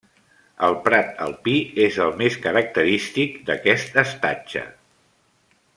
El prat alpí és el més característic d'aquest estatge.